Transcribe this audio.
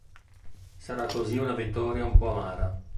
Sarà così una vittoria un po' amara.